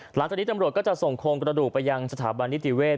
หลังจากนี้ตำรวจก็จะส่งโครงกระดูกไปยังสถาบันนิติเวศ